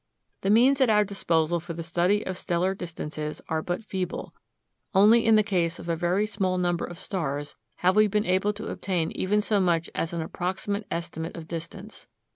The means at our disposal for the study of stellar distances are but feeble. Only in the case of a very small number of stars have we been able to obtain even so much as an approximate estimate of distance.